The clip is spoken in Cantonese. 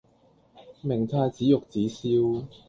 明太子玉子燒